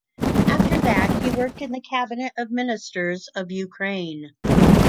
After that he worked in the Cabinet of Ministers of Ukraine.